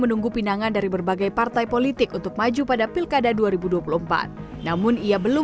menunggu pinangan dari berbagai partai politik untuk maju pada pilkada dua ribu dua puluh empat namun ia belum